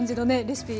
レシピ